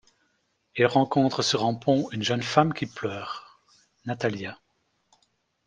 Il rencontre sur un pont une jeune femme qui pleure, Natalia.